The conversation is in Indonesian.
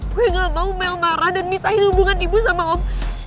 gue gak mau mel marah dan misahin hubungan ibu sama om